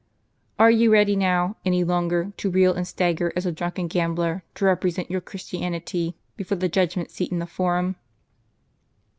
Are you ready now, any longer, to reel and stagger as a drunken gambler, to represent your Christianity before the judgment seat in the Forum